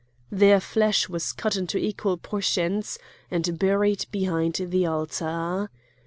Their flesh was cut into equal portions and buried behind the altar.